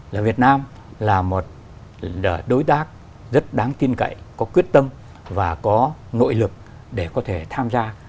là việt nam là một đối tác rất đáng tin cậy có quyết tâm và có nội lực để có thể tham gia